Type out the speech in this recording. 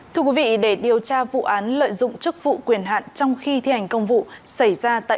thưa quý vị để điều tra vụ án lợi dụng chức vụ quyền hạn trong khi thi hành công vụ xảy ra tại